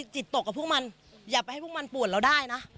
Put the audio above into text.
จิตตกกับพวกมันอย่าไปให้พวกมันปวดเราได้นะ